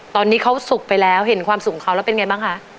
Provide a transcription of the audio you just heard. ตอนนี้เขาสุขไปแล้วเห็นความสุขเขาแล้วเป็นไงบ้างคะ